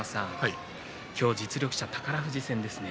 今日は実力者の宝富士戦ですね。